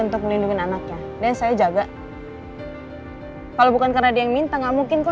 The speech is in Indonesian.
untuk melindungi anaknya dan saya jaga kalau bukan karena dia yang minta enggak mungkin kok